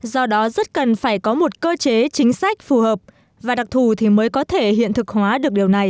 do đó rất cần phải có một cơ chế chính sách phù hợp và đặc thù thì mới có thể hiện thực hóa được điều này